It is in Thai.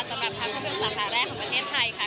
สำหรับทางความรู้สึกสำหรับแรกของประเทศไทยค่ะ